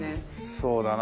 そうだな。